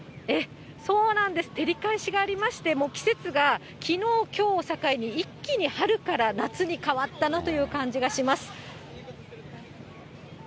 そうなんです、照り返しがありまして、季節がきのう、きょうを境に一気に春から夏に変わったなという感じがします。